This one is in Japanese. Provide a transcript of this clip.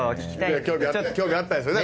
興味あったんですね